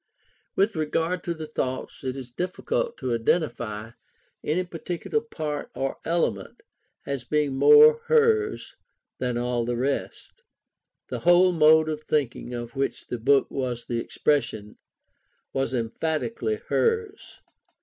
With regard to the thoughts, it is difficult to identify any particular part or element as being more hers than all the rest. The whole mode of thinking of which the book was the expression, was emphatically hers.